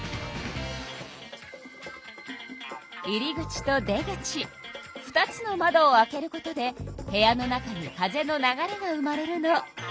入り口と出口２つの窓を開けることで部屋の中に風の流れが生まれるの。